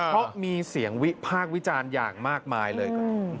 เพราะมีเสียงวิพากษ์วิจารณ์อย่างมากมายเลย